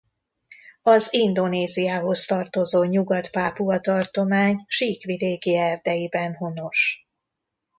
Az Indonéziához tartozó Nyugat-Pápua tartomány síkvidéki erdeiben honos.